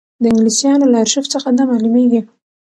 د انګلیسیانو له ارشیف څخه دا معلومېږي.